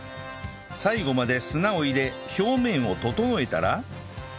最後まで砂を入れ表面を整えたら